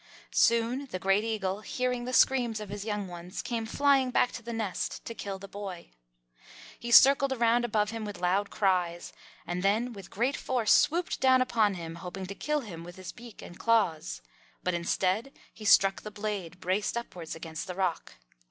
Soon the Great Eagle, hearing the screams of his young ones, came flying back to the nest to kill the boy. He circled around above him with loud cries and then with great force swooped down upon him, hoping to kill him with his beak and claws. But instead, he struck the blade braced upwards against the rock.